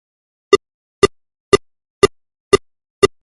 De pa i companatge.